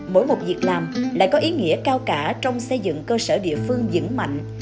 mỗi một việc làm lại có ý nghĩa cao cả trong xây dựng cơ sở địa phương dững mạnh